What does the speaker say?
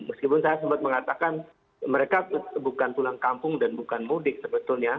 meskipun saya sempat mengatakan mereka bukan pulang kampung dan bukan mudik sebetulnya